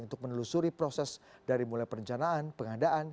untuk menelusuri proses dari mulai perencanaan pengadaan